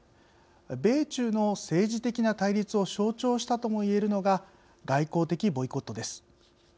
米中の政治的な対立を象徴したとも言えるのが外交的ボイコットです。